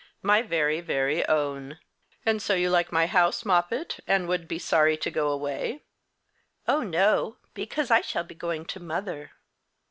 "My very, very own. And so you like my house, Moppet? And will you be sorry to go away?" "Oh no, because I shall be going to mother."